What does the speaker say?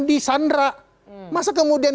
disandra masa kemudian